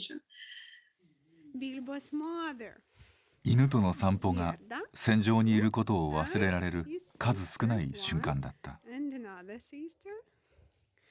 犬との散歩が戦場にいることを忘れられる数少ない瞬間だった。